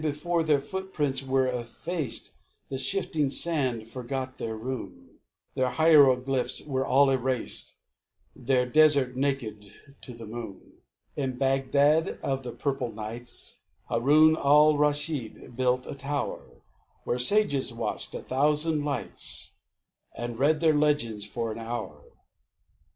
Before their footprints were effaced The shifting sand forgot their rune; Their hieroglyphs were all erased, Their desert naked to the moon. In Bagdad of the purple nights, Haroun Al Raschid built a tower, Where sages watched a thousand lights And read their legends, for an hour.